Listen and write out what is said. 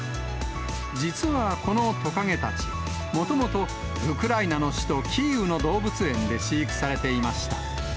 実はこのトカゲたち、もともと、ウクライナの首都キーウの動物園で飼育されていました。